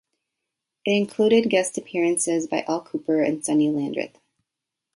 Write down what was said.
It included guest appearances by Al Kooper and Sonny Landreth.